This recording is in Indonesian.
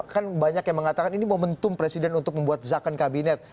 kan banyak yang mengatakan ini momentum presiden untuk membuat zakan kabinet